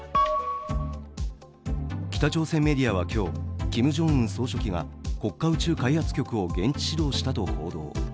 北朝鮮メディアは今日キム・ジョンウン総書記が国家宇宙開発局を現地指導したと報道。